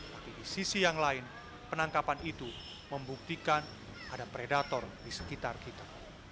tapi di sisi yang lain penangkapan itu membuktikan ada predator di sekitar kita